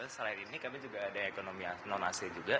selain ini kami juga ada ekonomi non asia juga